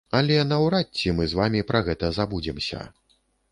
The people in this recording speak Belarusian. Але наўрад ці мы з вамі пра гэта забудземся.